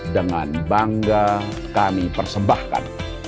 dengan bangga kami persembahkan